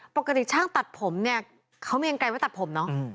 ปกติช่างตัดผมเนี่ยเขามียังไกลไว้ตัดผมเนาะ